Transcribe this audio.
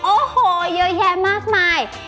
โอ้โหเยอะแยะมากมาย